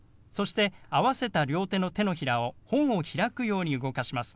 そして合わせた両手の手のひらを本を開くように動かします。